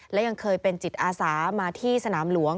และยังเคยเป็นจิตอาสามาที่สนามหลวง